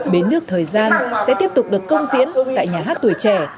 bến nước thời gian sẽ tiếp tục được công diễn tại nhà hát tuổi trẻ